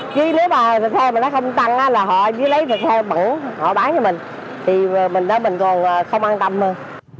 chứ nếu mà thịt heo mà nó không tăng là họ chỉ lấy thịt heo bẩn họ bán cho mình thì mình đó mình còn không an tâm hơn